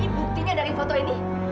ini buktinya dari foto ini